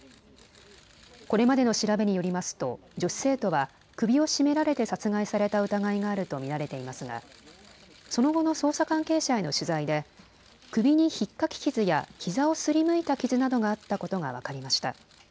これまでの調べによりますと女子生徒は首を絞められて殺害された疑いがあると見られていますがその後の捜査関係者への取材で首にひっかき傷やひざをすりむいた傷などがあったことが分かりました。